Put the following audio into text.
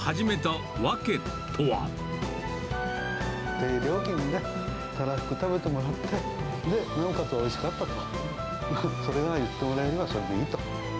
低料金でたらふく食べてもらって、なおかつおいしかったと、それが言ってもらえれば、それでいいと。